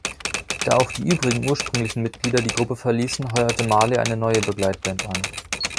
Da auch die übrigen ursprünglichen Mitglieder die Gruppe verließen, heuerte Marley eine neue Begleitband an.